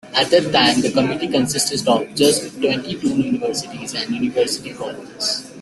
At that time, the committee consisted of just twenty-two universities and university colleges.